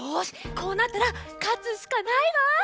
こうなったらかつしかないわ。